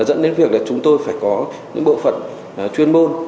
dẫn đến việc là chúng tôi phải có những bộ phận chuyên môn